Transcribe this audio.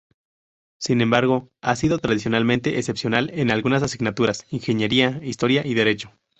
Sin embargo, ha sido tradicionalmente excepcional en algunas asignaturas, Ingeniería, Historia y Derecho.